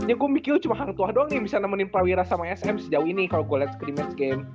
ternyata gue mikir cuma hang tua doang yang bisa nemenin prawira sama sm sejauh ini kalau gue liat scream match game